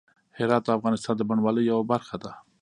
هرات د افغانستان د بڼوالۍ یوه برخه ده.